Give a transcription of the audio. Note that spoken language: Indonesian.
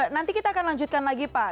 nanti kita akan lanjutkan lagi pak